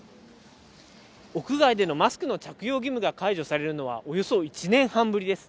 屋外でのマスクの着用義務が解除されるのはおよそ１年半ぶりです。